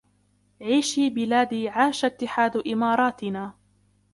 عِيشِي بِلَادِي عَاشَ اتِّحَادُ إِمَارَاتِنَا